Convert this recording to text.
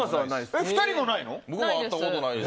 ２人もないの？